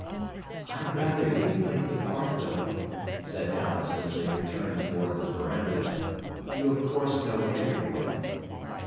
"I'd rather you played the part, though," said Alex as they returned toward the veranda. "You of course know everyone."